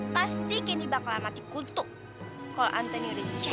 pasti gendy bakalan mati kutuk kalau antoni udah dijam